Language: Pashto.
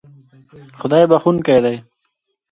خدای بښونکی دی